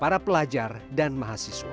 untuk pelajar dan mahasiswa